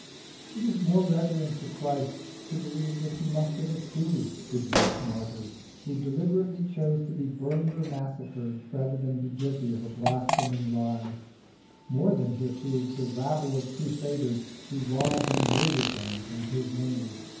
It is more reverent to Christ to believe that He must have approved the Jewish martyrs who deliberately chose to be burned or massacred rather than be guilty of a blaspheming lie, more than He approved the rabble of crusaders who robbed and murdered them in His name.